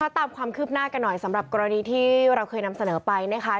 ตามความคืบหน้ากันหน่อยสำหรับกรณีที่เราเคยนำเสนอไปนะคะ